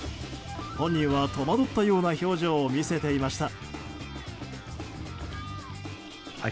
本人は戸惑ったような表情を見せていました。